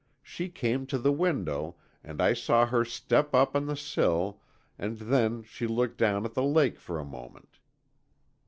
She came to the window, and I saw her step up on the sill, and then she looked down at the lake for a moment."